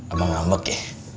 emang amek ya